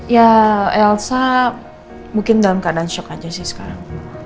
ya elsa mungkin dalam keadaan shock aja sih sekarang